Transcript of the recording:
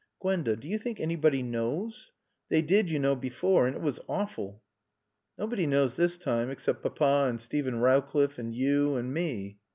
"Gwenda do you think anybody knows? They did, you know before, and it was awful." "Nobody knows this time, except Papa and Steven Rowcliffe and you and me."